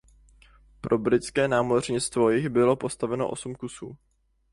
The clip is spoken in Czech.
Pro britské námořnictvo jich bylo postaveno osm kusů.